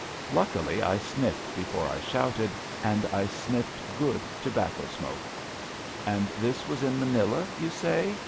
Luckily I sniffed before I shouted, and I sniffed good tobacco smoke/' '' And this was in Manila, yon say?